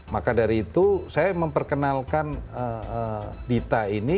maka dari itu saya memperkenalkan dita ini